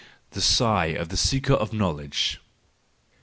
The Sigh of the Seeker of Knowledge